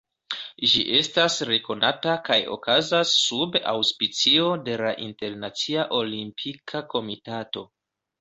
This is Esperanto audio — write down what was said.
Ĝi estas rekonata kaj okazas sub aŭspicio de la Internacia Olimpika Komitato.